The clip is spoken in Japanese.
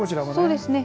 そうですね。